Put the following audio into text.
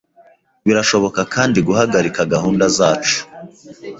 Birashoboka kandi guhagarika gahunda zacu,